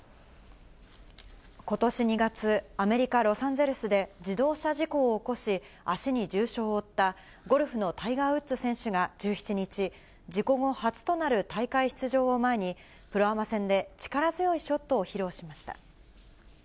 ことし２月、アメリカ・ロサンゼルスで自動車事故を起こし、足に重傷を負ったゴルフのタイガー・ウッズ選手が１７日、事故後初となる大会出場を前に、プロアマ戦で、力強いショットを披露しました。